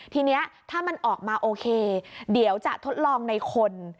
ทีนี้ถ้ามันออกมาโอเคเดี๋ยวจะทดลองในคน